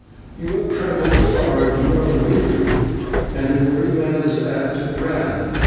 You have travelled far, and you are weary, and a weary man is apt at wrath.